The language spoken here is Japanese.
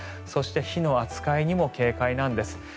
そして、火の扱いにも警戒なんです。